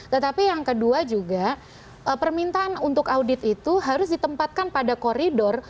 tetapi yang kedua juga permintaan untuk audit itu harus ditempatkan pada koridor